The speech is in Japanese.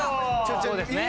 そうですね。